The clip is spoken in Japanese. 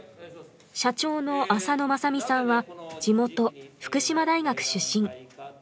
社長の浅野雅己さんは地元・福島大学出身。